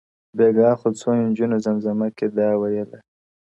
بېـگــاه خـو څـو انجونــو زمـزمـه كي دا ويــله;